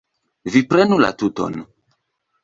Vi prenu la tuton.